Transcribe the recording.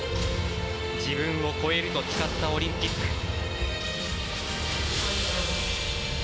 自分を超えると誓ったオリンピック。